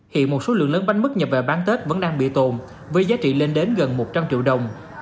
hiện một số lượng lớn bánh mứt nhập về bán tết vẫn đang bị tồn với giá trị lên đến gần một trăm linh triệu đồng